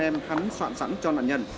em xin anh xin anh ạ